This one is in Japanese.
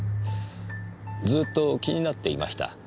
ずっと気になっていました。